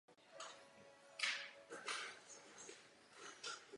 Všem hrozí nebezpečná dehydratace.